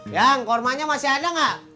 yang kormanya masih ada gak